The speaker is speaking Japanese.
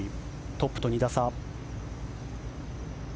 トップと２打差。